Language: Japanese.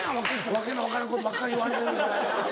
訳の分からんことばっかり言われるからやな。